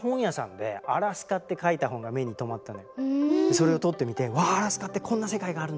それを取って見てわアラスカってこんな世界があるんだ